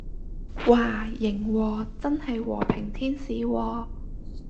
嘩，型喎，真係和平天使喎